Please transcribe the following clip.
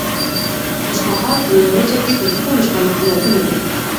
اوسمهال په لویه وچه کې تر ټولو شتمن هېوادونه دي.